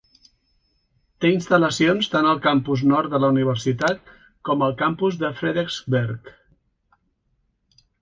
Té instal·lacions tant al campus nord de la universitat com al campus de Frederiksberg.